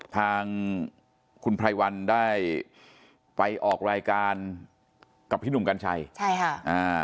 ทางคุณไพรวันได้ไปออกรายการกับพี่หนุ่มกัญชัยใช่ค่ะอ่า